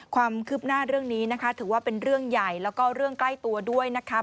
ความคืบหน้าเรื่องนี้นะคะถือว่าเป็นเรื่องใหญ่แล้วก็เรื่องใกล้ตัวด้วยนะคะ